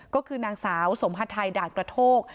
ก็คือนางสาวสมฮาไทยด่านกระโทก